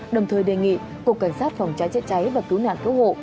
đồng thời đề nghị cục cảnh sát phòng trái cháy cháy và cứu nạn cứu hộ